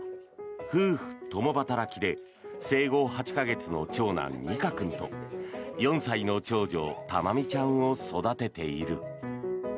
夫婦共働きで生後８か月の長男・虹翔君と４歳の長女・環味ちゃんを育てている。